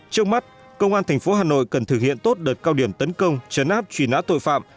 trong mắt công an tp hà nội cần thực hiện tốt đợt cao điểm tấn công chấn áp truy nã tội phạm